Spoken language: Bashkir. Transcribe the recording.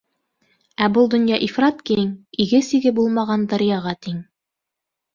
Ә был донъя ифрат киң, иге-сиге булмаған даръяға тиң.